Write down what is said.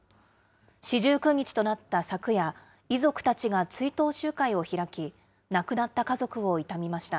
四十九日となった昨夜、遺族たちが追悼集会を開き、亡くなった家族を悼みました。